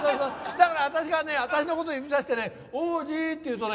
だから私がね私の事を指さしてね「オージー」って言うとね